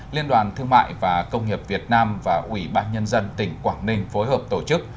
liên đoàn thương mại và công nghiệp việt nam và ủy ban nhân dân tỉnh quảng ninh phối hợp tổ chức